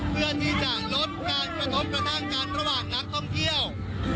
เพื่อที่จะลดการกระทบกระทั่งกันระหว่างนักท่องเที่ยว